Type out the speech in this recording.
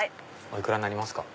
お幾らになりますか？